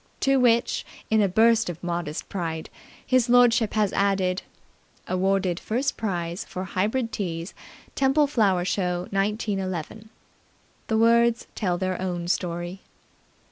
To which, in a burst of modest pride, his lordship has added "Awarded first prize for Hybrid Teas, Temple Flower Show, 1911". The words tell their own story.